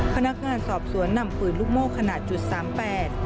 พนักงานสอบสวนนำปืนลูกโม้ขนาด๓๘